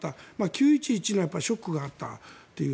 ９・１１のショックがあったという。